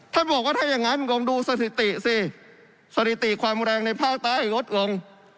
ท่านบอกว่าถ้าอย่างนั้นลองดูสถิติสิสถิติความแรงในภาคใต้ลดลง